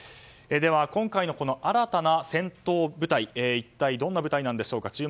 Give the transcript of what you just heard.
では今回の新たな戦闘部隊一体どんな部隊なんでしょうか。